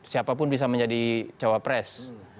siapapun bisa menjadi cawapres